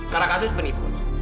karena kasus penipu